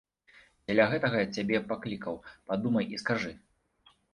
Дзеля гэтага цябе паклікаў, падумай і скажы.